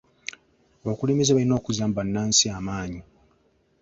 Abakulembeze balina okuzzamu bannansi amaanyi.